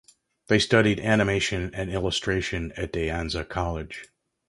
They studied animation and illustration at De Anza College.